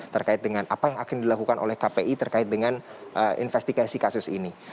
terkait dengan apa yang akan dilakukan oleh kpi terkait dengan investigasi kasus ini